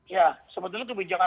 ya sebetulnya itu bijaksana